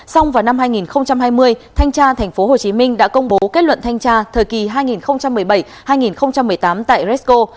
xong vào năm hai nghìn hai mươi thanh tra tp hcm đã công bố kết luận thanh tra thời kỳ hai nghìn một mươi bảy hai nghìn một mươi tám tại resco